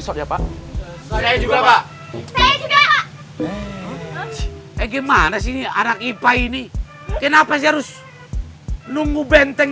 rumahnya pak saya juga pak saya juga eh gimana sih anak ipah ini kenapa harus nunggu benteng